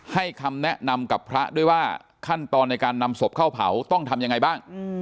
คำแนะนำกับพระด้วยว่าขั้นตอนในการนำศพเข้าเผาต้องทำยังไงบ้าง